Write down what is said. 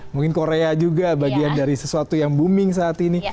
mungkin korea juga bagian dari sesuatu yang booming saat ini